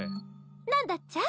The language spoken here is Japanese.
何だっちゃ？